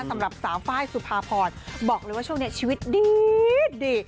สำหรับสาวไฟล์สุภาพรบอกเลยว่าช่วงนี้ชีวิตดี